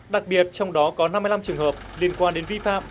đặc biệt trong đó có năm mươi năm trường hợp liên quan đến vi phạm